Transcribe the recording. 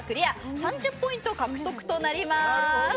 ３０ポイント獲得となります。